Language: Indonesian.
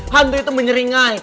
hantu itu menyeringai